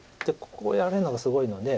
ここをやれるのがすごいので。